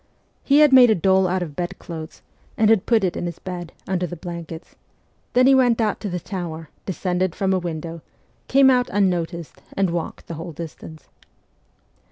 He had made a doll out of bedclothes, and had put it in his bed, under the blankets ; then he went to the tower, descended from a window, came out unnoticed, and walked the whole distance.